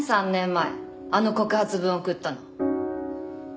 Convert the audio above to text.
３年前あの告発文を送ったの。